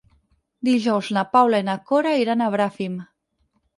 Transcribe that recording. Dijous na Paula i na Cora iran a Bràfim.